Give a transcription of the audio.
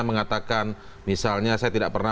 mengatakan misalnya saya tidak pernah